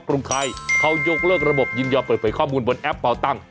กรุงไทยเขายกเลิกระบบยินยอมเปิดเผยข้อมูลบนแอปเป่าตั้ง